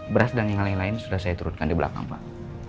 beras dan yang lain lain sudah saya turutkan di belakang pak